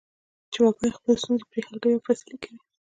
چې وګړي خپلې ستونزې پرې حل کوي او فیصلې کوي.